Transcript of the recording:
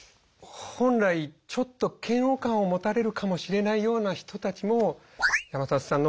本来ちょっと嫌悪感を持たれるかもしれないような人たちも否定しないですからＹＯＵさん。